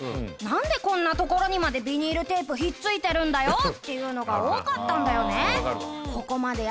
なんでこんなところにまでビニールテープ引っ付いてるんだよ！っていうのが多かったんだよね。